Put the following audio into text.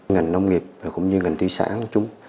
ngành nông nghiệp cũng như ngành phát triển nông thôn